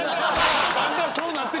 だんだんそうなってくるやろ！